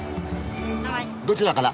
どちらから？